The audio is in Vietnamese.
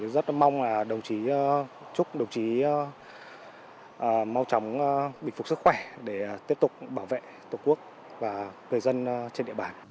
rất mong là đồng chí chúc đồng chí mau chóng bình phục sức khỏe để tiếp tục bảo vệ tổ quốc và người dân trên địa bàn